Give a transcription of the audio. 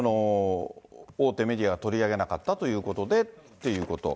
大手メディアは取り上げなかったということでっていうこと。